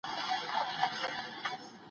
دا وسايل بايد په يوه سمه لاره سوق سي.